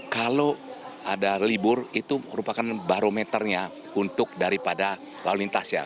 kalau ada libur itu merupakan barometernya untuk daripada lalu lintas ya